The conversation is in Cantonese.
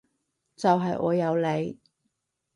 就係我有你